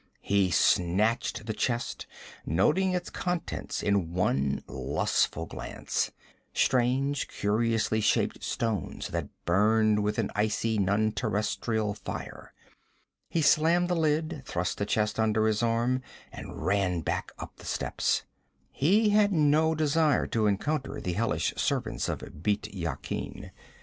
He snatched the chest, noting its contents in one lustful glance strange, curiously shapen stones that burned with an icy, non terrestrial fire. He slammed the lid, thrust the chest under his arm, and ran back up the steps. He had no desire to encounter the hellish servants of Bît Yakin.